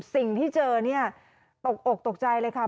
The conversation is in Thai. สิ่งที่เจอนี่ตกโกรธตกใจเลยครับ